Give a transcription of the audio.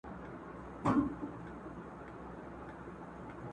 o سر څه په يوه لوټه سپېره، څه په شلو٫